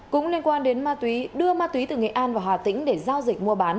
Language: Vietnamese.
cũng liên quan đến ma túy đưa ma túy từ nghệ an vào hà tĩnh để giao dịch mua bán